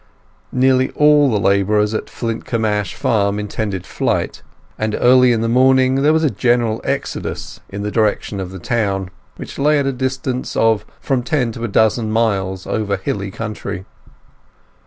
Nearly all the labourers on Flintcomb Ash farm intended flight, and early in the morning there was a general exodus in the direction of the town, which lay at a distance of from ten to a dozen miles over hilly country.